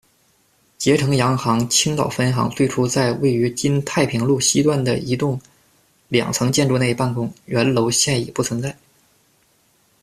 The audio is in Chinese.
捷成洋行青岛分行最初在位于今太平路西段的一栋两层建筑内办公，原楼现已不存在。